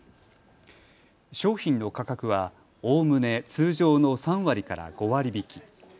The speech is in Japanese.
商品の価格はおおむね通常の３割から５割引き。